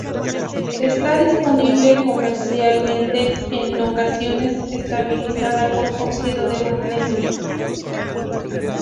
Está disponible comercialmente, en ocasiones estabilizada con óxido de magnesio.